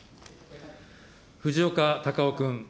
藤岡隆雄君。